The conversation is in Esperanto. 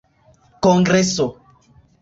kongreso